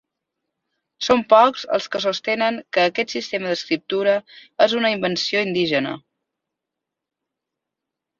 Són pocs els que sostenen que aquest sistema d'escriptura és una invenció indígena.